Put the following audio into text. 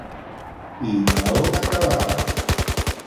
I a on acabava?